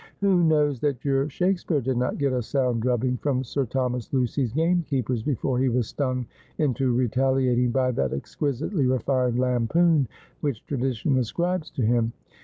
' Who knows that your Shakespeare did not get a sound drub bing from Sir Thomas Lucy's gamekeepers, before he was stung into retaliating by that exquisitely refined lampoon which tra dition ascribes to him